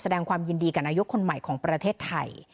แสดงความยินดีกับนายกคนใหม่ของประเทศไทย